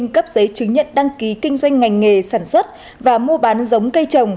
cấp giấy chứng nhận đăng ký kinh doanh ngành nghề sản xuất và mua bán giống cây trồng